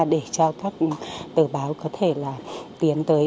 để cho các tờ báo có thể là tiến tới